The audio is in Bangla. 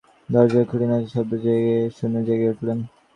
দরজায় খুটাখুটি শব্দ শুনে জেগে উঠলেন।